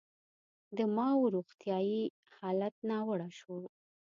د ماوو روغتیايي حالت ناوړه شو.